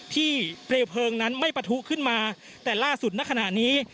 เปลวเพลิงนั้นไม่ปะทุขึ้นมาแต่ล่าสุดณขณะนี้